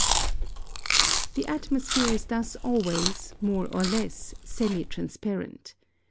The atmosphere is thus always, more or less, semi transparent.